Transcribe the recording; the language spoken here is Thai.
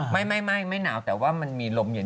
ไม่หนาวแต่ว่ามันมีลมเย็น